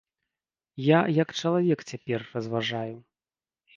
Я як чалавек цяпер разважаю.